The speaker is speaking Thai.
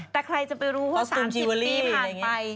แต่ใครจะไปรู้ว่า๓๐ปีผ่านไป